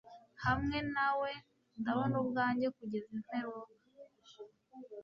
hamwe nawe ndabona ubwanjye kugeza imperuka